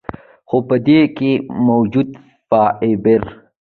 خو پۀ دې کښې موجود فائبر ،